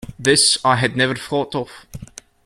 This I had never thought of.